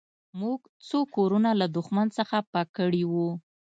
موږ څو کورونه له دښمن څخه پاک کړي وو